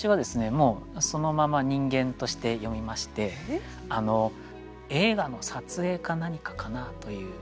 もうそのまま人間として読みまして映画の撮影か何かかな？という。